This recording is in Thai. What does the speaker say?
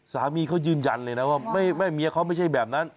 สามีเขายืนยันเลยนะว่าแม่เมียเขาไม่ใช่แบบนั้น